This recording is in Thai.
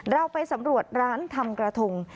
เราไปสำรวจร้านทำกระทง